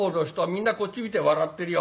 みんなこっち見て笑ってるよ